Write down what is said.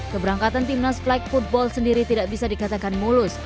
keberangkatan timnas flag football sendiri tidak bisa dikatakan mulus